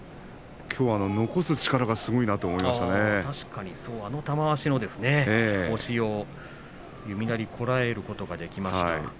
きょうは残す力がすごいなとあの玉鷲の押しを弓なりになってこらえることができました。